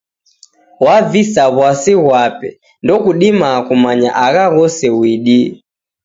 Wavisa w'asi ghwape, ndokudima kumanya agha ghose uidie.